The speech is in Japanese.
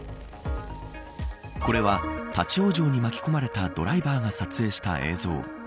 これは立ち往生に巻き込まれたドライバーが撮影した映像。